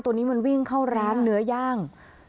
ตัวนี้มันวิ่งเข้าร้านเนื้อย่าง